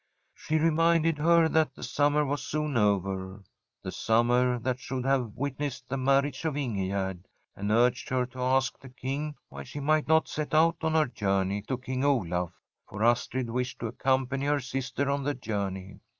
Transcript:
She reminded her that the summer was soon over — the summer that should have witnessed the marriage of In gegerd — ^and urged her to ask the King why she might not set out on her journey to King Olaf ; for Astrid wished to accompany her sister on the journey.